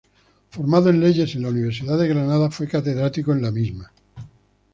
Formado en Leyes en la Universidad de Granada, fue catedrático en la misma universidad.